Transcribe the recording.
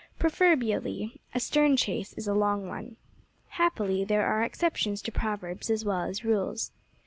Proverbially a stern chase is a long one. Happily, there are exceptions to proverbs as well as rules.